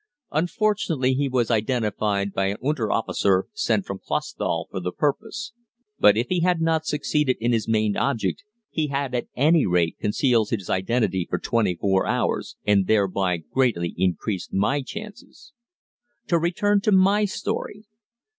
Unfortunately he was identified by an Unteroffizier sent from Clausthal for the purpose. But if he had not succeeded in his main object, he had at any rate concealed his identity for twenty four hours, and thereby greatly increased my chances. To return to my story.